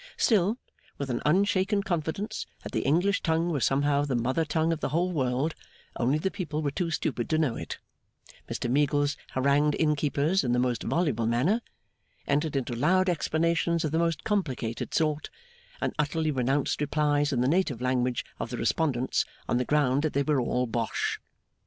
Still, with an unshaken confidence that the English tongue was somehow the mother tongue of the whole world, only the people were too stupid to know it, Mr Meagles harangued innkeepers in the most voluble manner, entered into loud explanations of the most complicated sort, and utterly renounced replies in the native language of the respondents, on the ground that they were 'all bosh.